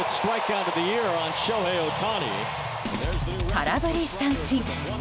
空振り三振。